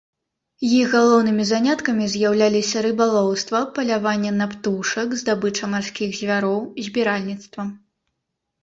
Іх галоўнымі заняткамі з'яўляліся рыбалоўства, паляванне на птушак, здабыча марскіх звяроў, збіральніцтва.